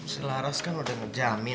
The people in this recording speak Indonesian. selaras kan udah ngejamin